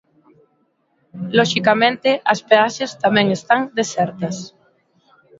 Loxicamente as peaxes tamén están desertas.